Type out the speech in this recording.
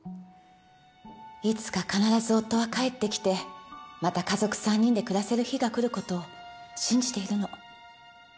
いつか必ず夫は帰ってきてまた家族３人で暮らせる日が来る事を信じているの。